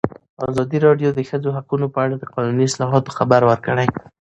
ازادي راډیو د د ښځو حقونه په اړه د قانوني اصلاحاتو خبر ورکړی.